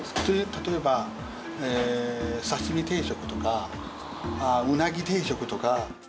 例えば、刺身定食とか、ウナギ定食とか。